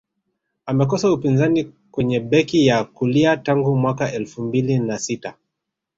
amekosa upinzani kwenye beki ya kulia tangu mwaka elfu mbili na sita